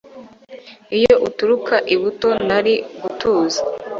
iyo uturuka i buto nari gutuza